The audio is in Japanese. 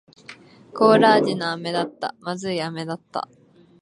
コーラ味の飴だった。不味い飴だった。